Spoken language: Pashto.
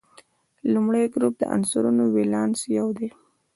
د لومړي ګروپ د عنصرونو ولانس یو دی.